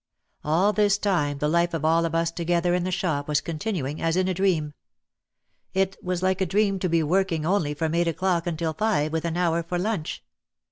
All this time the life of all of us together in the shop was continuing as in a dream. It was like a dream to be working only from eight o'clock until five with an hour for lunch.